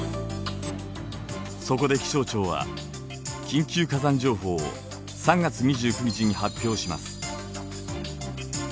そこで気象庁は緊急火山情報を３月２９日に発表します。